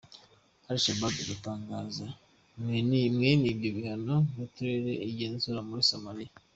Al-Shabab iratanga mwenivyo bihano mu turere igenzura muri Somalia.